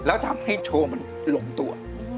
แล้วทำให้โชว์มันหลงตัว